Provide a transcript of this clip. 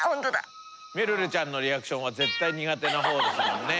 めるるちゃんのリアクションは絶対苦手な方でしたよね。